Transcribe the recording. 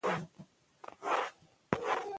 هنر د ژوند، فکر او احساس د ښکلا څرګندولو مهم وسیله ده.